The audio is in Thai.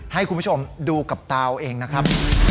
ให้คุณผู้ชมดูกับตาเอาเองนะครับ